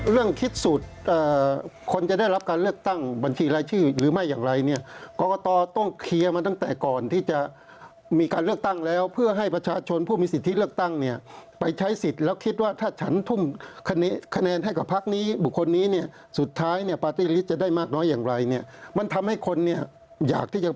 เรื่องคิดสูตรคนจะได้รับการเลือกตั้งบัญชีรายชื่อหรือไม่อย่างไรเนี่ยกรกตต้องเคลียร์มาตั้งแต่ก่อนที่จะมีการเลือกตั้งแล้วเพื่อให้ประชาชนผู้มีสิทธิเลือกตั้งเนี่ยไปใช้สิทธิ์แล้วคิดว่าถ้าฉันทุ่มคะแนนให้กับพักนี้บุคคลนี้เนี่ยสุดท้ายเนี่ยปาร์ตี้ลิตจะได้มากน้อยอย่างไรเนี่ยมันทำให้คนเนี่ยอยากที่จะ